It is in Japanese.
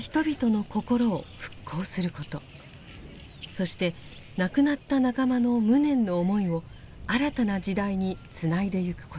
そして亡くなった仲間の無念の思いを新たな時代につないでゆくこと。